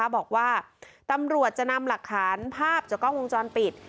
บอกว่าตำรวจจะนำหลักฐานภาพจากกล้องวงจรปิด